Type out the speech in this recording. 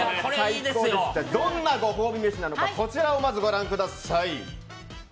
どんなご褒美飯なのかこちらをまず、ご覧ください。